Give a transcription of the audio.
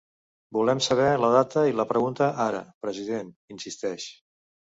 Volem saber la data i la pregunta ara, president, insisteix.